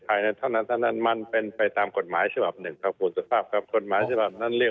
ใครห์ใจกันเท่าไหร่เลย